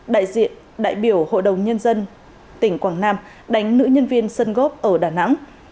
đại diện đại biểu hội đồng nhân dân tỉnh quảng nam đánh nữ nhân viên sân gốc ở đà nẵng